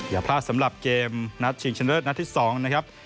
อย่าพลาดสำหรับเกมนัดชิงชนะเลิศนัดที่๒นะครับ